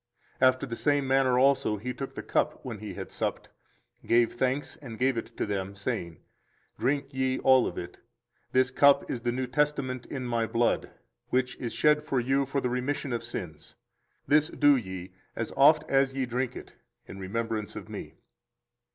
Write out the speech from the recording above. After the same manner also He took the cup when He had supped, gave thanks, and gave it to them, saying, Drink ye all of it; this cup is the new testament in My blood, which is shed for you for the remission of sins: this do ye, as oft as ye drink it, in remembrance of Me.